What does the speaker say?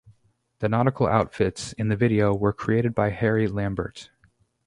The nautical outfits in the video were created by Harry Lambert.